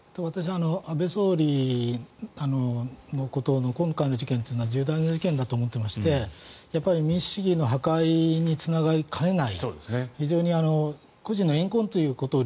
安倍元総理のことの今回の事件というのは重大な事件だと思っていまして民主主義の破壊につながりかねない非常に個人のえん恨ということを